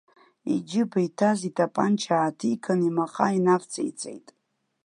Иџьыба иҭаз итапанча ааҭиган имаҟа инавҵеиҵеит.